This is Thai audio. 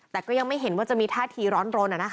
แต่ก็ยังไม่เห็นว่าจะมีท่าทีร้อนรน